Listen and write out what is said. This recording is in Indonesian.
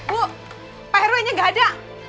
bu pak ruenya gak ada